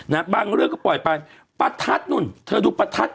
บางเรื่องก็ปล่อยไปประทัดนู่นเธอดูประทัด